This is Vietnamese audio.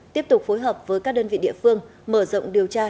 tiếp tục phối hợp với các đơn vị địa phương mở rộng điều tra